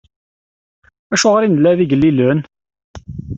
Acuɣer i nella d igellilen?